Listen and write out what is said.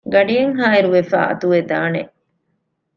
ގަޑިއެއްހާއިރުވެފައި އަތުވެދާނެ